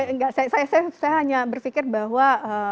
enggak saya hanya berpikir bahwa